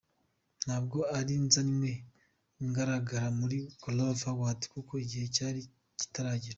Ntabwo nari nsanzwe ngaragara muri Groove Awards kuko igihe cyari kitaragera.